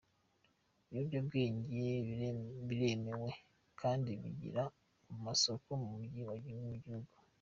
Ibiyobyabwenge biremewe kandi bigira amasoko mu mijyi yo mu gihugu.